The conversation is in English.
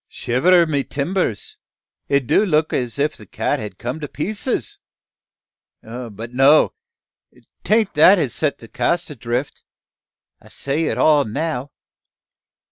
"Shiver my timbers! it do look like as if the Cat had come to pieces. But no! Tain't that has set the cask adrift. I set it all now.